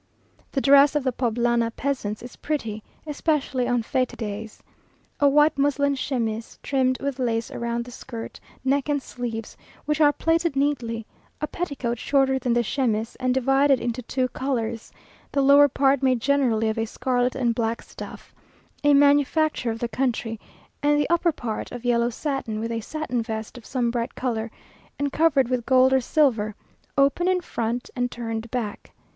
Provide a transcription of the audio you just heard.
The dress of the Poblana peasants is pretty, especially on fête days. A white muslin chemise, trimmed with lace round the skirt, neck, and sleeves, which are plaited neatly; a petticoat shorter than the chemise, and divided into two colours, the lower part made generally of a scarlet and black stuff, a manufacture of the country, and the upper part of yellow satin, with a satin vest of some bright colour, and covered with gold or silver, open in front, and turned back.